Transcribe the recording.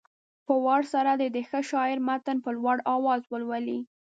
په وار سره دې د ښه شاعر متن په لوړ اواز ولولي.